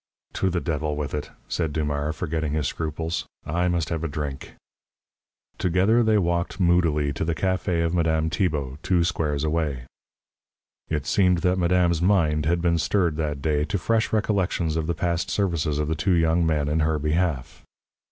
"To the devil with it!" said Dumars, forgetting his scruples. "I must have a drink." Together they walked moodily to the café of Madame Tribault, two squares away. It seemed that madame's mind had been stirred that day to fresh recollections of the past services of the two young men in her behalf.